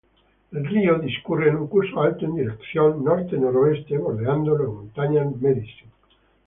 El río discurre en su curso alto en dirección norte-noroeste, bordeando las montañas Medicine.